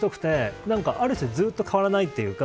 ある種ずっと変わらないというか。